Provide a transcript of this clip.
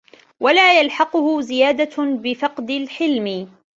وَلَا يَلْحَقُهُ زِيَادَةٌ بِفَقْدِ الْحِلْمِ